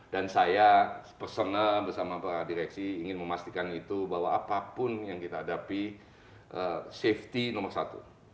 dan saya bersama para direksi ingin memastikan itu bahwa apapun yang kita hadapi safety nomor satu